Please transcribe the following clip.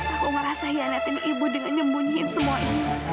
aku merasa hianat ini ibu dengan nyembunyiin semua ini